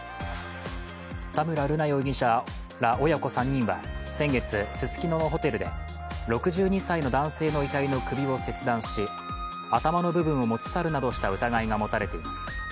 田村瑠奈容疑者ら親子３人は先月、ススキノのホテルで６２歳の男性の遺体の首を切断し頭の部分を持ち去るなどした疑いが持たれています。